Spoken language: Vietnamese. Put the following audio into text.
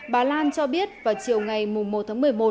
bà lan cho biết vào chiều ngày một tháng một mươi một